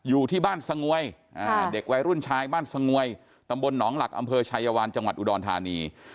อยู่ที่บ้านสงวยเด็กวัยรุ่นชายบ้านสงวยตำบลหนองหลักอำเภอชายวานจังหวัดอุดรธานี